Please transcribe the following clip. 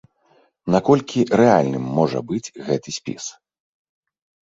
Наколькі рэальным можа быць гэты спіс?